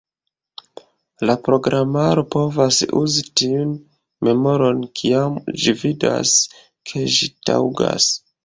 La programaro povas uzi tiun memoron kiam ĝi vidas, ke ĝi taŭgas.